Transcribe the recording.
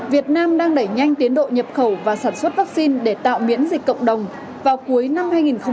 việt nam đang đẩy nhanh tiến độ nhập khẩu và sản xuất vaccine để tạo miễn dịch cộng đồng vào cuối năm hai nghìn hai mươi